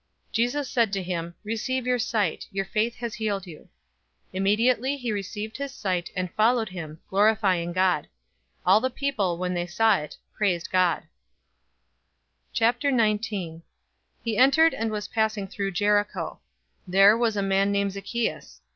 018:042 Jesus said to him, "Receive your sight. Your faith has healed you." 018:043 Immediately he received his sight, and followed him, glorifying God. All the people, when they saw it, praised God. 019:001 He entered and was passing through Jericho. 019:002 There was a man named Zacchaeus.